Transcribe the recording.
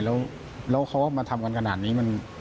แล้วเขามาทำกันขนาดนี้